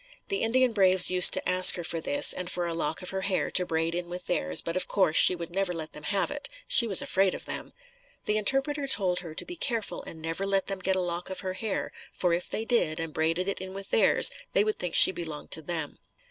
The Indian braves used to ask her for this and for a lock of her hair to braid in with theirs but of course, she would never let them have it. She was afraid of them. The interpreter told her to be careful and never let them get a lock of her hair for if they did and braided it in with theirs, they would think she belonged to them.